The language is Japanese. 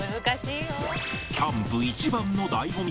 キャンプ一番の醍醐味